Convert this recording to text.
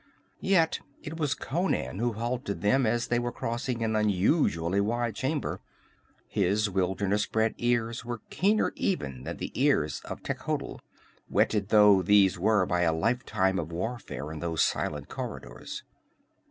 Yet it was Conan who halted them as they were crossing an unusually wide chamber. His wilderness bred ears were keener even than the ears of Techotl, whetted though these were by a lifetime of warfare in those silent corridors.